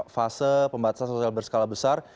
fase pembatasan sosial berskala besar